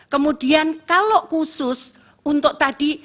kemudian kalau khusus untuk tadi